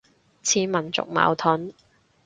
似民族矛盾